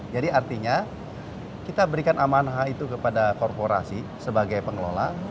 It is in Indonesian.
jadi artinya kita berikan amanah itu kepada korporasi sebagai pengelola